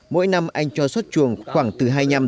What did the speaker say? mỗi năm anh cho xuất chuồng khoảng từ hai nhăm